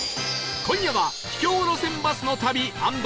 今夜は秘境路線バスの旅＆